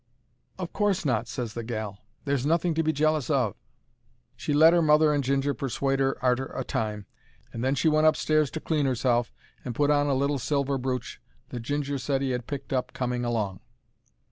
"Of course not," ses the gal. "There's nothing to be jealous of." She let 'er mother and Ginger persuade 'er arter a time, and then she went upstairs to clean herself, and put on a little silver brooch that Ginger said he 'ad picked up coming along.